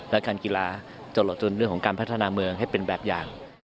และการกีฬาตลอดจนเรื่องของการพัฒนาเมืองให้เป็นแบบอย่าง